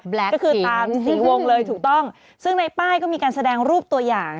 ก็คือตามสีวงเลยถูกต้องซึ่งในป้ายก็มีการแสดงรูปตัวอย่าง